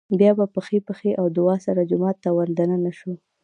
بيا په ښۍ پښې او دعا سره جومات ته ور دننه شو